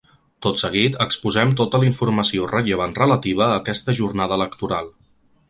Tot seguit, exposem tota la informació rellevant relativa a aquesta jornada electoral.